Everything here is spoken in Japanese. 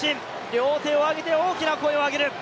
両手を挙げて大きな声を上げる。